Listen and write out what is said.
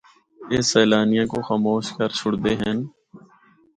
اے سیلانیاں کو خاموش کر چُھڑدے ہن۔